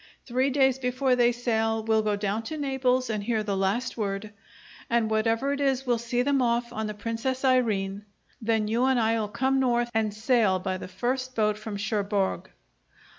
Three days before they sail we'll go down to Naples and hear the last word, and whatever it is we'll see them off on the 'Princess Irene.' Then you and I'll come north and sail by the first boat from Cherbourg.